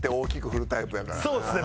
そうですね。